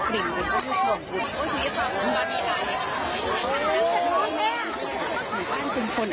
เล่นแล้วหรอ